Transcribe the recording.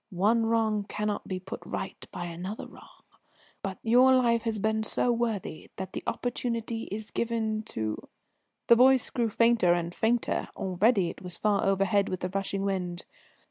One wrong cannot be put right by another wrong, but your life has been so worthy that the opportunity is given to " The voice grew fainter and fainter, already it was far overhead with the rushing wind.